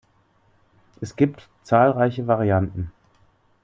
Es gibt zahlreiche Varianten.